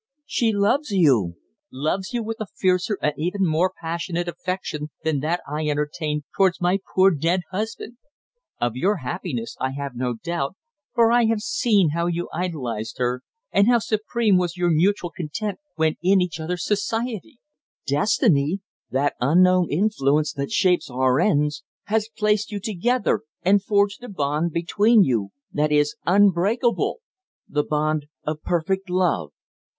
"She loves you loves you with a fiercer and even more passionate affection than that I entertained towards my poor dead husband. Of your happiness I have no doubt, for I have seen how you idolised her, and how supreme was your mutual content when in each other's society. Destiny, that unknown influence that shapes our ends, has placed you together and forged a bond between you that is unbreakable the bond of perfect love."